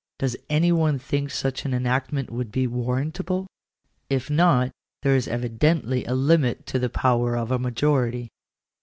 Does any one think such an enactment would be warrantable ? If not, there is evidently a limit to the power of a majority.